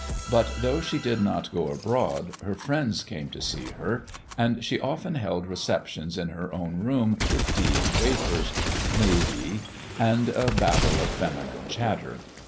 But, though she did not go abroad, her friends came to see her, and she often held receptions in her own room with tea and wafers, maybe, and a babble of feminine chatter.